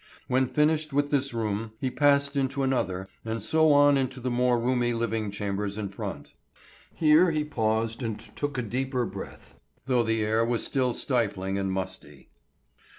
When finished with this room, he passed into another and so on into the more roomy living chambers in front. Here he paused and took a deeper breath, though the air was still stifling and musty.